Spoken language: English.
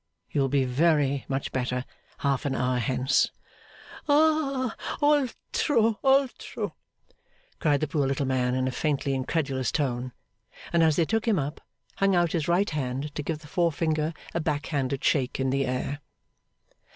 You will be very much better half an hour hence.' 'Ah! Altro, Altro!' cried the poor little man, in a faintly incredulous tone; and as they took him up, hung out his right hand to give the forefinger a back handed shake in the air.